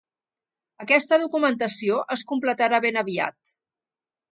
Aquesta documentació es completarà ben aviat.